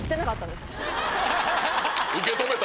受け止めた？